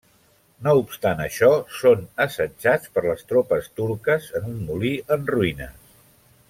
No obstant això, són assetjats per les tropes turques en un molí en ruïnes.